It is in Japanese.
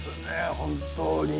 本当に。